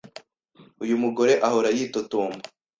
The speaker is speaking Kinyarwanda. Uyu mugore ahora yitotomba.